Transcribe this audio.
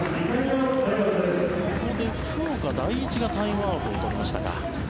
ここで福岡第一がタイムアウトを取りましたか。